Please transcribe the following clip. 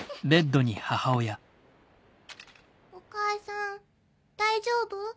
お母さん大丈夫？